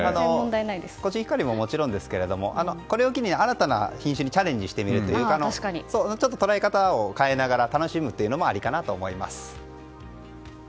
コシヒカリももちろんですけどこれを機に新たな品種にチャレンジしてみるという捉え方を変えながら楽しむのもありかなと思います。